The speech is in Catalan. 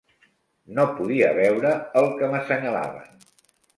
No podia veure el que m'assenyalaven